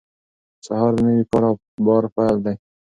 سهار د نوي کار او بار پیل دی.